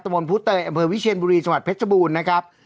มนต์ผู้เตยอำเภอวิเชียนบุรีจังหวัดเพชรบูรณ์นะครับ